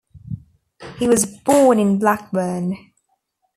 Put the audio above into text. He was born in Blackburn.